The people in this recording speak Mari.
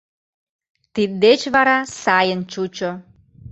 Тиддеч вара сайын чучо